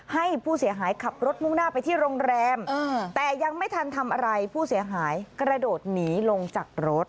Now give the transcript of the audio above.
ให้ผู้เสียหายขับรถมุ่งหน้าไปที่โรงแรมแต่ยังไม่ทันทำอะไรผู้เสียหายกระโดดหนีลงจากรถ